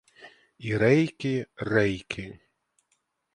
І рейки — рейки.